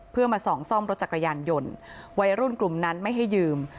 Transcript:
เพื่อมาส่องซ่อมรถจักรยานยนต์วัยรุ่นกลุ่มนั้นไม่ให้ยืม